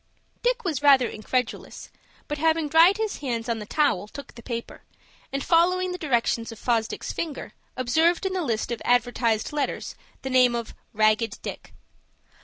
Dick was rather incredulous, but, having dried his hands on the towel, took the paper, and following the directions of Fosdick's finger, observed in the list of advertised letters the name of "RAGGED DICK."